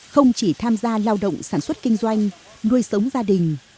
không chỉ tham gia lao động sản xuất kinh doanh nuôi sống gia đình